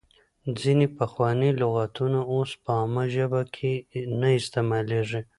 ځینې پخواني لغاتونه اوس په عامه ژبه کې نه استعمالېږي.